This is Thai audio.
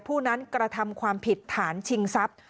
ผู้นั้นกระทำความผิดฐานชิงทรัพย์